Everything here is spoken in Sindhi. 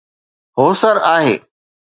هوسر آهي